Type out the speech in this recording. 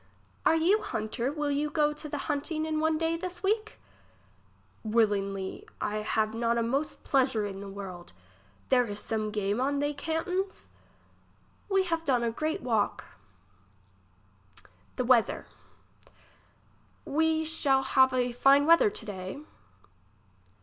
Are you hunter? will you go to the hunting in one day this week ? Willingly ; I have not a most pleasure in the world. There is some game on they cantons ? We have done a great walk. English as she is spoke. 27 ^lie weather. We shall have a fine weather to day.